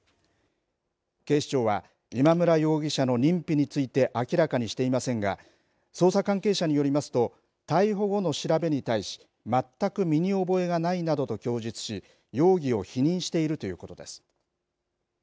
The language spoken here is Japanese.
警視庁は今村容疑者の認否について明らかにしていませんが捜査関係者によりますと逮捕後の調べに対し全く身に覚えがないなどと供述し容疑を否認しているということです。